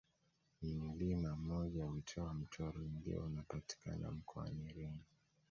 Ni mlima mmoja uitwao Mtorwi ndiyo unapatikana mkoani Iringa